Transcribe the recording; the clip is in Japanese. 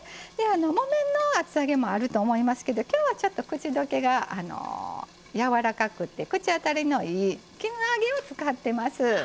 木綿の厚揚げもあると思いますけど今日は、口どけがやわらかくて口当たりのいい絹揚げを使ってます。